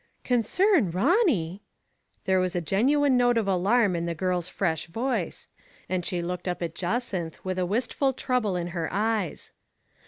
" Concern Ronny !'* There was a genuine note of alarm in the girl's fresh voice, and she looked up at Jacynth with a wistful trouble in her eyes.